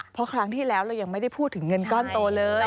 เพราะครั้งที่แล้วเรายังไม่ได้พูดถึงเงินก้อนโตเลย